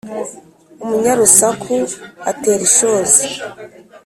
umunyarusaku atera ishozi.